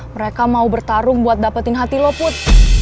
mereka mau bertarung buat dapetin hati lo put